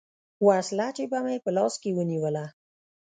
وسله چې به مې په لاس کښې ونېوله.